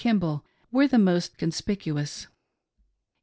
Kimball were the most conspicuous.